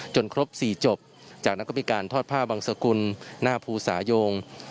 ครบ๔จบจากนั้นก็มีการทอดผ้าบังสกุลหน้าภูสายง